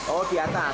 oh di atas